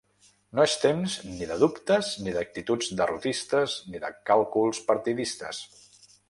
No és temps ni de dubtes ni d'actituds derrotistes ni de càlculs partidistes.